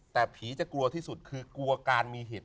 แต่ผีจะกลัวที่สุดคือกลัวการมีเหตุ